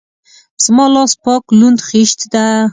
زما لاس پاک لوند خيشت ده.